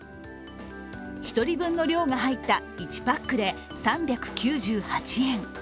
１人分の量が入った１パックで３９８円。